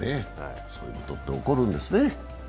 そういうことって起こるんですね。